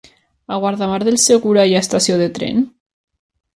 A Guardamar del Segura hi ha estació de tren?